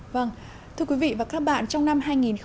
vâng thưa quý vị và các bạn trong năm hai nghìn một mươi chín